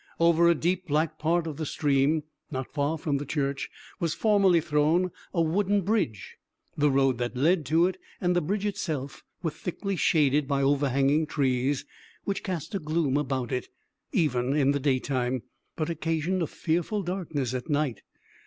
Over a deep black part of the stream, not far from the church, was formerly thrown a wooden bridge; the road that led to it, and the bridge itself, were thickly shaded by overhanging trees, which cast a gloom about it, even in the daytime; but occasioned a fearful darkness at night.